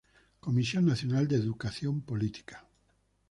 Comisión Nacional de Educación Política.